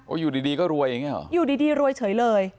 โอ้ยอยู่ดีดีก็รวยเองเนี้ยเหรออยู่ดีดีรวยเฉยเลย